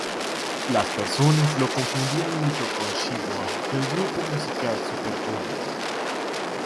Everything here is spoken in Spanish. Las personas lo confundían mucho con Siwon del grupo musical Super Junior.